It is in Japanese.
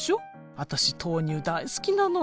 私豆乳大好きなのよ。